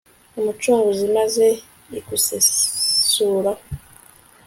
umucunguzi, maze igusesuraho